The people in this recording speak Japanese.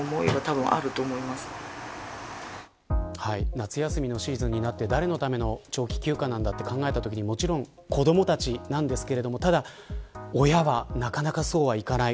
夏休みのシーズンになって誰のための長期休暇なんだと考えた時にもちろん子どもたちなんですけどただ親はなかなかそうはいかない。